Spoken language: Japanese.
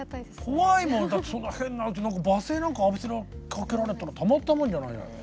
怖いもんだってそんな変な罵声なんか浴びせかけられたらたまったもんじゃないよ。